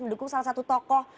mendukung salah satu tokoh